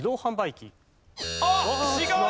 あっ違う！